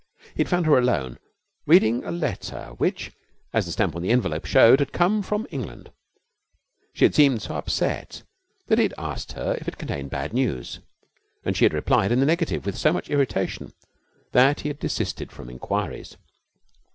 He had found her alone, reading a letter which, as the stamp on the envelope showed, had come from England. She had seemed so upset that he had asked her if it contained bad news, and she had replied in the negative with so much irritation that he had desisted from inquiries.